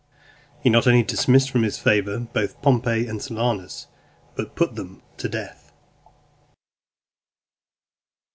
He not only dismissed from his favour both Pompey and Silanus, but put them to death.